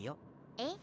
えっ？